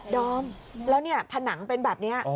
ดอมแล้วเนี่ยผนังเป็นแบบนี้